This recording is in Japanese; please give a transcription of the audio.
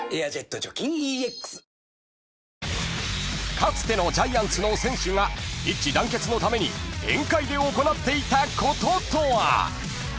［かつてのジャイアンツの選手が一致団結のために宴会で行っていたこととは？］